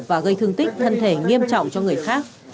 và gây thương tích thân thể nghiêm trọng cho người khác